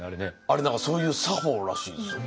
あれ何かそういう作法らしいですよ。